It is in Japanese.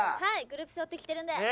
グループ背負ってきてるんで。